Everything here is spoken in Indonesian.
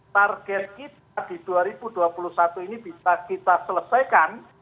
target kita di dua ribu dua puluh satu ini bisa kita selesaikan